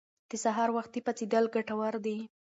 د سهار وختي پاڅیدل ګټور دي.